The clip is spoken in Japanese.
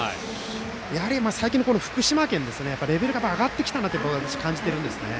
やはり最近の福島県のレベルが上がってきたなと私は感じているんです。